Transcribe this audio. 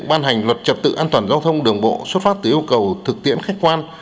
ban hành luật trật tự an toàn giao thông đường bộ xuất phát từ yêu cầu thực tiễn khách quan